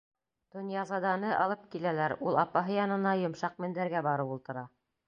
Донъязаданы алып киләләр, ул апаһы янына йомшаҡ мендәргә барып ултыра.